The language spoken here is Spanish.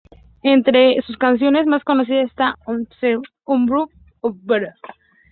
Entre sus canciones más conocidas está "One Scotch, One Bourbon, One Beer".